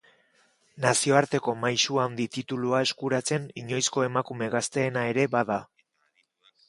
Nazioarteko maisu handi titulua eskuratzen inoizko emakume gazteena ere bada.